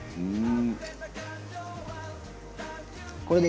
うん！